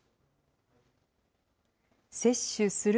接種する？